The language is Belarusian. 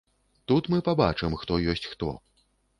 Тут мы пабачым, хто ёсць хто.